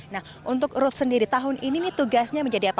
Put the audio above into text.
nah untuk ruth sendiri tahun ini nih tugasnya menjadi apa